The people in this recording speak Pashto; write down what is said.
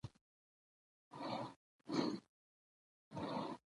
د مجبورۍ له وجهې مې دا کار وکړ.